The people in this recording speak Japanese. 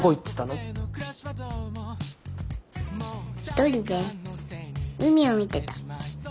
一人で海を見てた。